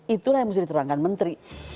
itulah yang mesti diterangkan menteri